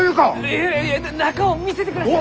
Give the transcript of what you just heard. いえいえ中を見せてください！